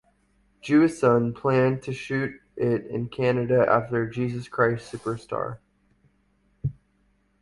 Jewison planned to shoot it in Canada after "Jesus Christ Superstar".